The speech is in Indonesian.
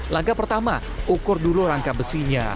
langkah pertama ukur dulu rangka besinya